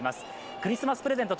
クリスマスプレゼント